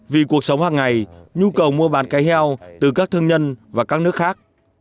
vì cuộc sống hàng ngày nhu cầu mua bán cá heo từ các thương nhân và các nước khác